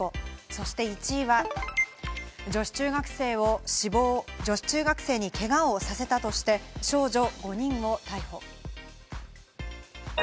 そして１位は女子中学生にけがをさせたとして少女５人を逮捕。